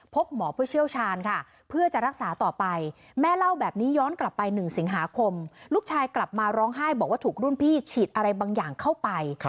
พบหมอเพื่อเชี่ยวชาญค่ะเพื่อจะรักษาต่อไปแม่เล่าแบบนี้ย้อนกลับไป๑สิงหาคมลูกชายกลับมาร้องไห้บอกว่าถูกรุ่นพี่ฉีดอะไรบางอย่างเข้าไป